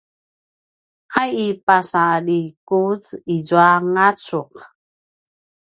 a i pasalikuz izua ngacuq